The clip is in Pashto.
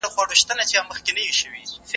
ما د ارواپوهني په برخه کي ډېر کار کړی دی.